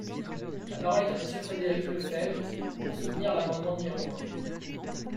La parole est à Monsieur Frédéric Lefebvre, pour soutenir l’amendement numéro un.